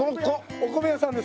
お米屋さんです。